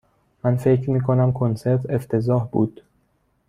من فکر می کنم کنسرت افتضاح بود.